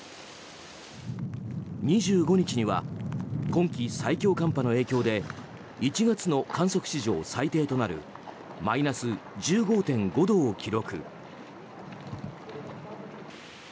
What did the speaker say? ２５日には今季最強寒波の影響で１月の観測史上最低となるマイナス１５．５度を記録。